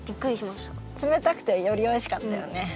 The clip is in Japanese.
つめたくてよりおいしかったよね。